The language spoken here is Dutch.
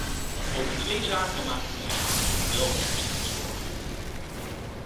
Over twee zaken maak ik mij echter nog wel ernstige zorgen.